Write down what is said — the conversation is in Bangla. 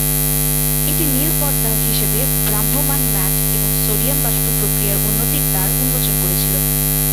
এটি নীল পর্দার হিসেবে ভ্রাম্যমাণ ম্যাট এবং সোডিয়াম বাষ্প প্রক্রিয়ার উন্নতির দ্বার উন্মোচন করেছিল।